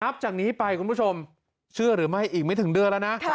จากนี้ไปคุณผู้ชมเชื่อหรือไม่อีกไม่ถึงเดือนแล้วนะ